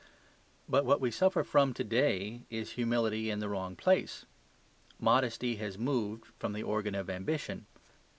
But what we suffer from to day is humility in the wrong place. Modesty has moved from the organ of ambition.